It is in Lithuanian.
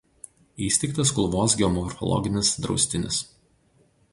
Įsteigtas Kulvos geomorfologinis draustinis.